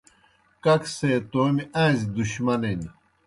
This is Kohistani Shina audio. ککسے تومیْ آݩزیْ دُشمنِن